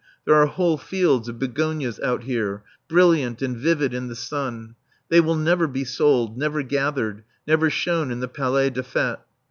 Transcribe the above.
There are whole fields of begonias out here, brilliant and vivid in the sun. They will never be sold, never gathered, never shown in the Palais des Fêtes.